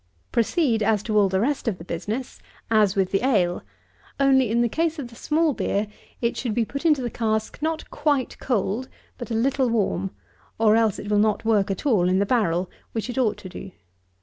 56. Proceed, as to all the rest of the business, as with the ale, only, in the case of the small beer, it should be put into the cask, not quite cold, but a little warm; or else it will not work at all in the barrel, which it ought to do.